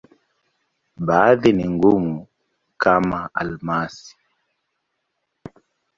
Baadhi ni ngumu, kama almasi.